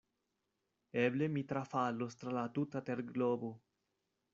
Eble mi trafalos tra la tuta terglobo!